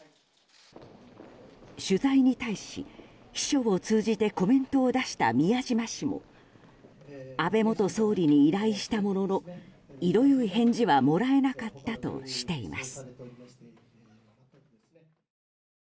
取材に対し、秘書を通じてコメントを出した宮島氏も安倍元総理に依頼したものの色よい返事はもらえなかったとしています。